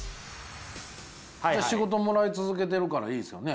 仕事もらい続けてるからいいですよね。